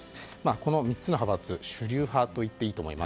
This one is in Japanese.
この３つの派閥主流派と言っていいと思います。